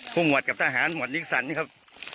หมวดกับทหารหมวดนิกสันนี่ครับ